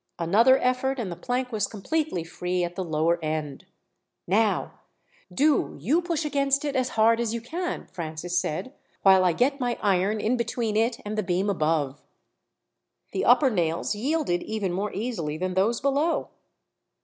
Another effort, and the plank was completely free at the lower end. "Now do you push against it as hard as you can," Francis said, "while I get my iron in between it and the beam above." The upper nails yielded even more easily than those below.